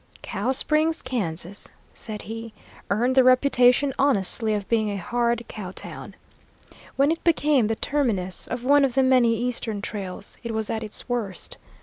"Cow Springs, Kansas," said he, "earned the reputation honestly of being a hard cow town. When it became the terminus of one of the many eastern trails, it was at its worst.